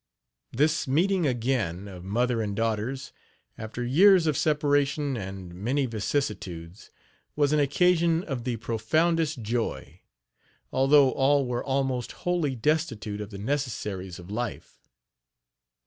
This meeting again of mother and daughters, after years of separation and many vicisitudes, was an occasion of the profoundest joy, although all were almost wholly destitute of the necessaries of life.